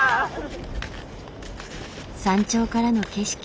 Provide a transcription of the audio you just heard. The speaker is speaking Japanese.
山頂からの景色。